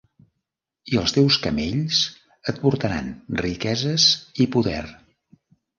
I els teus camells et portaran riqueses i poder.